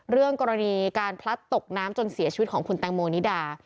เรื่องกรณีการพลัดตกน้ำจนเสียชีวิตของคุณแตงโมนิดา